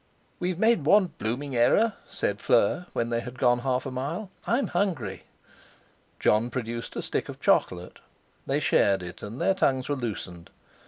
"We've made one blooming error," said Fleur, when they had gone half a mile. "I'm hungry." Jon produced a stick of chocolate. They shared it and their tongues were loosened.